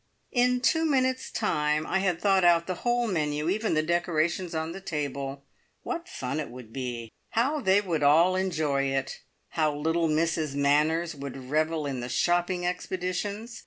In two minutes' time I had thought out the whole menu, even the decorations on the table. What fun it would be! How they would all enjoy it! How little Mrs Manners would revel in the shopping expeditions!